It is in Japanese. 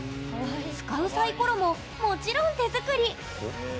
使うサイコロも、もちろん手作り。